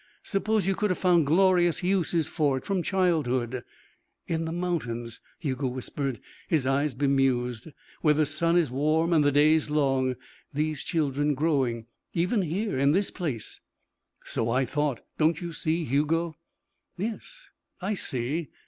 Suppose you could have found glorious uses for it from childhood " "In the mountains," Hugo whispered, his eyes bemused, "where the sun is warm and the days long these children growing. Even here, in this place " "So I thought. Don't you see, Hugo?" "Yes, I see.